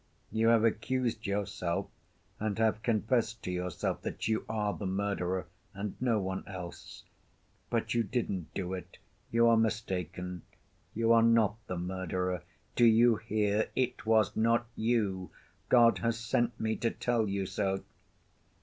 "You have accused yourself and have confessed to yourself that you are the murderer and no one else. But you didn't do it: you are mistaken: you are not the murderer. Do you hear? It was not you! God has sent me to tell you so."